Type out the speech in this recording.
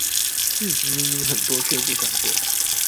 事情明明很多卻不想做